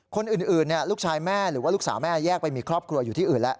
คนอื่นลูกชายแม่หรือว่าลูกสาวแม่แยกไปมีครอบครัวอยู่ที่อื่นแล้ว